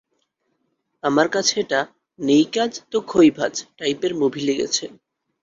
আমার কাছে এটা নেই কাজ তো খই ভাজ টাইপের মুভি লেগেছে।